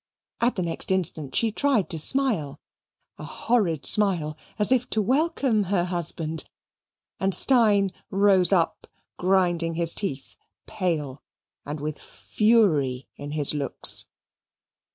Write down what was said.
At the next instant she tried a smile, a horrid smile, as if to welcome her husband; and Steyne rose up, grinding his teeth, pale, and with fury in his looks.